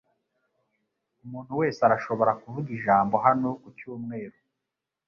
Umuntu wese arashobora kuvuga ijambo hano ku cyumweru.